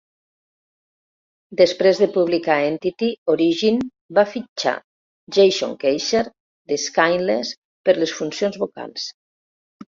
Després de publicar "Entity", Origin va fitxar Jason Keyser de Skinless per les funcions vocals.